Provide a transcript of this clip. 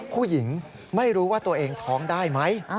ผู้หญิงไม่รู้ว่าตัวเองท้องได้ไหม